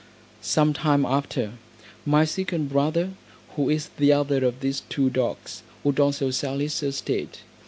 Some time after, my second brother, who is the other of these two dogs, would also sell his estate.